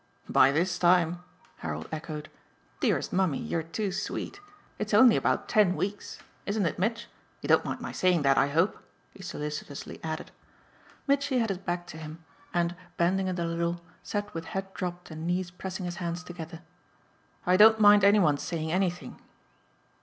"'By this time'?" Harold echoed. "Dearest mummy, you're too sweet. It's only about ten weeks isn't it, Mitch? You don't mind my saying that, I hope," he solicitously added. Mitchy had his back to him and, bending it a little, sat with head dropped and knees pressing his hands together. "I don't mind any one's saying anything."